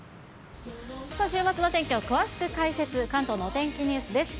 さあ、週末のお天気を詳しく解説、関東のお天気ニュースです。